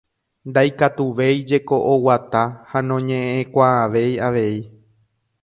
Ndaikatuvéi jeko oguata ha noñe'ẽkuaavéi avei.